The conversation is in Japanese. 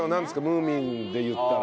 『ムーミン』でいったら。